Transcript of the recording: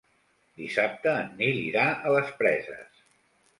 Dissabte en Nil irà a les Preses.